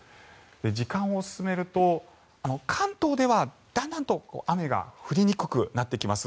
時間を進めると関東ではだんだんと雨が降りにくくなってきます。